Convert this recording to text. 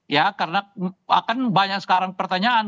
ya karena akan banyak sekarang pertanyaan